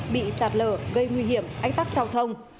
bị sạt lở gây nguy hiểm ách tắc giao thông